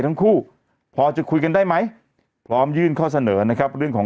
ทั้งคู่พอจะคุยกันได้ไหมพร้อมยื่นข้อเสนอนะครับเรื่องของ